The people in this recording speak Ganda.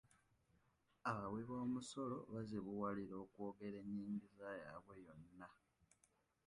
Abawiboomusolo bazibuwalirwa okwogera ennyingiza yaabwe yonna.